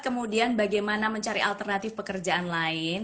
kemudian bagaimana mencari alternatif pekerjaan lain